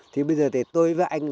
thì bây giờ thì tôi với anh